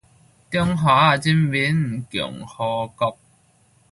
中華人民共和國